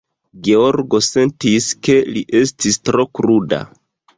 Georgo sentis, ke li estis tro kruda.